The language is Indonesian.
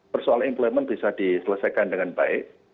persoalan employment bisa diselesaikan dengan baik